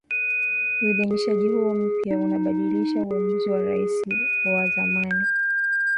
Uidhinishaji huo mpya unabadilisha uamuzi wa Rais wa zamani